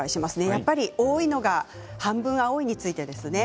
やっぱり多いのが「半分、青い。」についてです。